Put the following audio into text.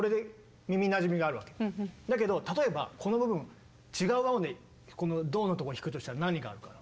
だけど例えばこの部分違う和音でこのドのとこ弾くとしたら何があるかな。